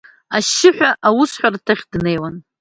Ашьшьыҳәа аусҳәарҭахь днеиуан.